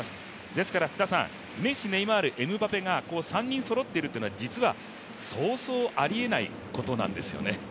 ですから、メッシ、ネイマール、エムバペが３人そろっているというのは実はそうそうありえないことなんですよね？